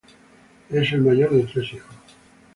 Es el mayor de tres hijos.